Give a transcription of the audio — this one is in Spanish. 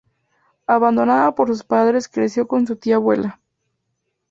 Abandonada por sus padres creció con su tía abuela.